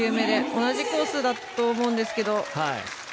同じコースだと思うんですけど。